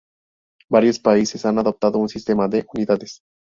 Varios países han adoptado un sistema de unidades.